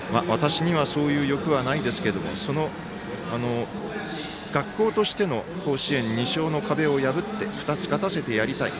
私には、そういう欲はないですけど学校としての甲子園２勝という壁を破って２つ、勝たせてやりたい。